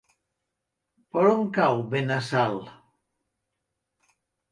Per on cau Benassal?